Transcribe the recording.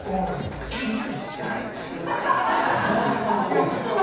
建築士じゃないです。